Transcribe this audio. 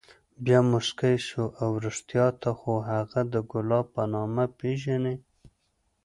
بيا موسكى سو اوه رښتيا ته خو هغه د ګلاب په نامه پېژنې.